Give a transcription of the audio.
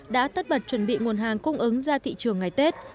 đã tất bật chuẩn bị nguồn hàng cung ứng ra thị trường ngày tết